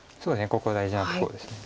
ここは大事なところです。